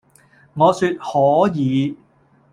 我説「可以！」